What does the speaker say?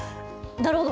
なるほど。